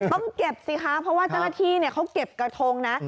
ต้องเก็บสิคะเพราะว่าเจ้าหน้าที่เขาเก็บกระทงนะ